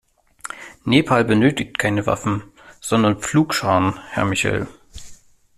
Nepal benötigt keine Waffen, sondern Pflugscharen, Herr Michel.